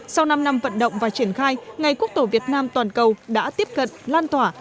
sau năm năm vận động và triển khai ngày quốc tổ việt nam toàn cầu đã tiếp cận lan tỏa